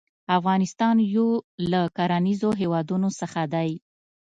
افغانستان يو له کرنيزو هيوادونو څخه دى.